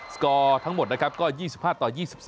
สกอร์ทั้งหมดนะครับก็๒๕ต่อ๒๒